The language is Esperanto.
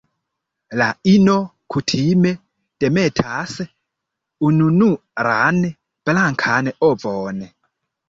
La ino kutime demetas ununuran blankan ovon.